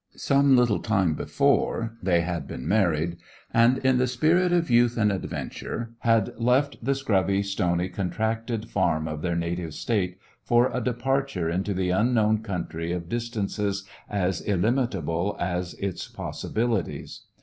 Some little time before they had been married, and in the spirit of youth and adventure had left the scrubby, stony, contracted farm of their native state for a departure into the unknown country of dis tances as illimitable as its possibili ties.